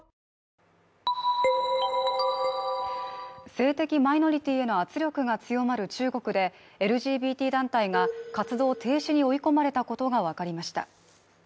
性的マイノリティへの圧力が強まる中国でＬＧＢＴ団体が活動停止に追い込まれたことがわかりました。